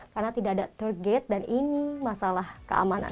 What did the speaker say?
karena tidak ada target dan ini masalah keamanan